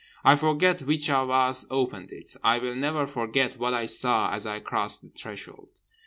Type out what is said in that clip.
I forget which of us opened it. I will never forget what I saw as I crossed the threshold.